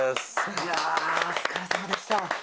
いやー、お疲れさまでした。